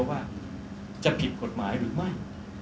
ว่าจะผิดกฎหมายหรือไม่